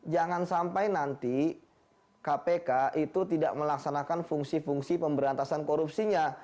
jangan sampai nanti kpk itu tidak melaksanakan fungsi fungsi pemberantasan korupsinya